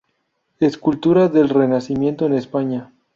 Escultura del Renacimiento en España